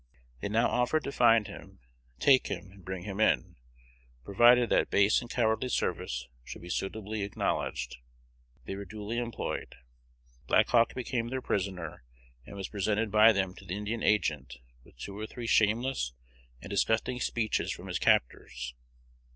They now offered to find him, take him, and bring him in, provided that base and cowardly service should be suitably acknowledged. They were duly employed. Black Hawk became their prisoner, and was presented by them to the Indian agent with two or three shameless and disgusting speeches from his captors.